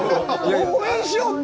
応援しようって。